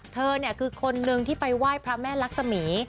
เธอเนี่ยคือคนนึงที่ไปไหว้พระแม่ลักษมี